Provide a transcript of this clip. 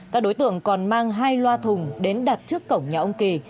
các đối tượng còn mang hai loa thùng đến đặt trước cổng nhà ông kỳ